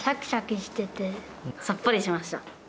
さっぱりしました。